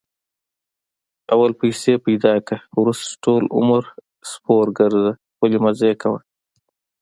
اول پیسې پیدا کړه، ورسته ټول عمر سپورګرځه خپلې مزې کوه.